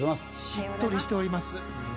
しっとりしております。